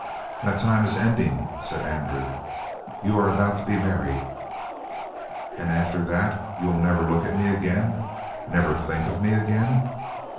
"That time is ending," said Andrew. "You are about to be married." "And after that you will never look at me again, never think of me again?"